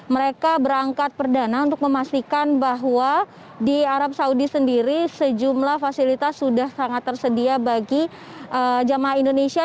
mereka berangkat perdana untuk memastikan bahwa di arab saudi sendiri sejumlah fasilitas sudah sangat tersedia bagi jamaah indonesia